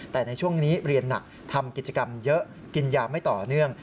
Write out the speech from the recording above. แต่ในช่วงนี้เรียนหนักทำกิจกรรมเยอะกินยาไม่ต่อเนื่อง